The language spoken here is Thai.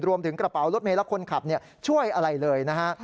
รวมถึงกระเป๋ารถเมล็ดและคนขับช่วยอะไรเลยนะฮะ